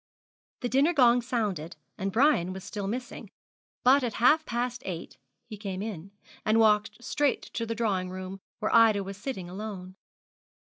The dinner gong sounded, and Brian was still missing, but at half past eight he came in, and walked straight to the drawing room, where Ida was sitting alone.